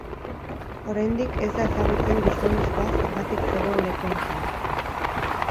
Oraindik ez da ezagutzen gizonezkoa zergatik zegoen leku hartan.